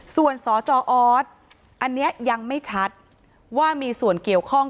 ส่วนสจออสอันนี้ยังไม่ชัดว่ามีส่วนเกี่ยวข้อง